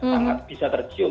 sangat bisa tercium